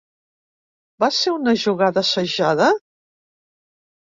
Va ser una jugada assajada?